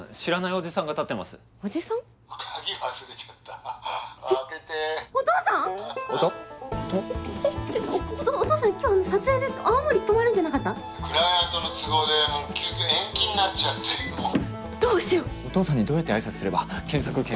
⁉お父さんにどうやってあいさつすれば検索検索。